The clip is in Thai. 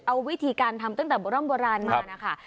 เอาวิธีการทำตั้งแต่โบร่ำโบราณมานะคะ